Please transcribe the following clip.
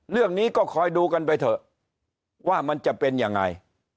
เรื่องนี้ก็คอยดูกันไปเถอะว่ามันจะเป็นยังไง